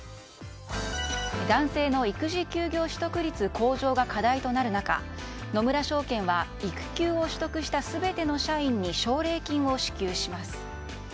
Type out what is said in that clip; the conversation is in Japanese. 男性の育児休業取得率向上が課題となる中野村証券は育休を取得した全ての社員に奨励金を支給します。